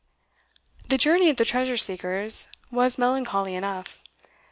The journey of the treasure seekers was melancholy enough.